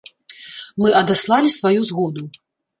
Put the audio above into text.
Мы адаслалі сваю згоду.